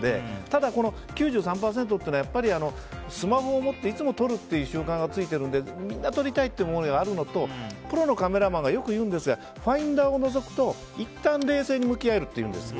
ただ、この９３％というのはやはりスマホを持っていつも撮るっていう習慣がついているのでみんな撮りたいという思いがあるのとプロのカメラマンがよく言うんですがファインダーをのぞくといったん冷静に向き合えるっていうんです。